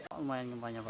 lumayan gempanya pak